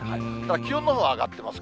気温のほうは上がってます。